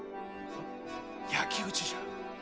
焼き打ちじゃ。